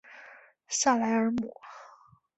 萨莱尔姆。